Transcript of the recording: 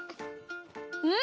うん！